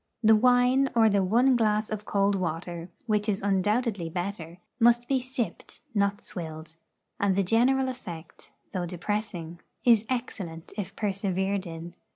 The wine or the one glass of cold water, which is undoubtedly better, must be sipped, not swilled; and the general effect, though depressing, is excellent if persevered in.